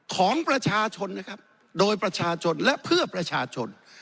ของประชาชนนะครับโดยประชาชนและเพื่อประชาชน